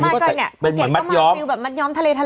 เฮ้อเจ๋ตก็มาะบังคิวแบบมัดย้อมทะเลไง